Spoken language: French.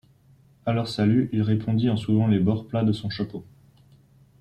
A leur salut, il répondit en soulevant les bords plats de son chapeau.